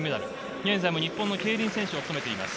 現在日本の競輪選手を務めています